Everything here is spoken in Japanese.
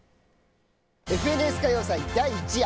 「ＦＮＳ歌謡祭」第１夜。